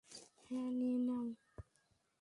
হ্যাঁ, নিয়ে নেও।